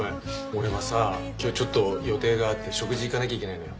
俺はさ今日ちょっと予定があって食事行かなきゃいけないのよ。